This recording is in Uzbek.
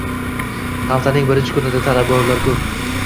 haftaning birinchi kunida talabgorlar ko’p.